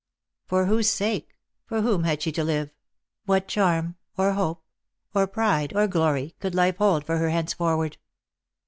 For whose sake — for whom had she to live, what charm, or hope, or pride, or glory, could life hold for her hence forward